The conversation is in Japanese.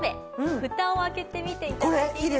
フタを開けてみて頂いていいですか？